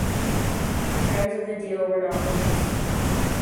Terms of the deal were not released.